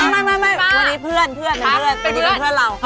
วันนี้เป็นเพื่อนเรา